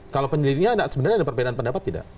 kalau penyidiknya sebenarnya ada perbedaan pendapat tidak